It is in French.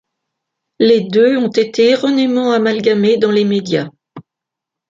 Les deux ont été erronément amalgamés dans les médias.